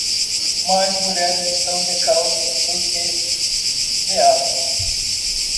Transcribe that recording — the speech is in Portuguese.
Mais mulheres estão de calças do que de asas.